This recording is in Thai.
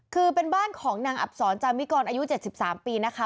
คือเป็นบ้านของนางอับศรจามิกรอายุ๗๓ปีนะคะ